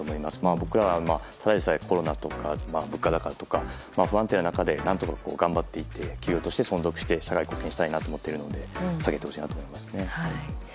僕ら、ただでさえコロナとか物価高とか不安定な中で何とか頑張っていって存続して社会貢献したいと思っているので下げてほしいなと思います。